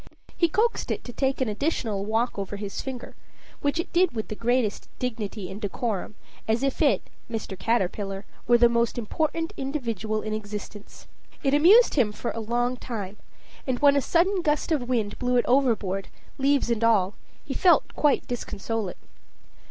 He coaxed it to take an additional walk over his finger, which it did with the greatest dignity and decorum, as if it, Mr. Caterpillar, were the most important individual in existence. It amused him for a long time; and when a sudden gust of wind blew it overboard, leaves and all, he felt quite disconsolate.